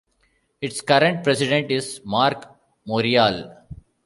Its current President is Marc Morial.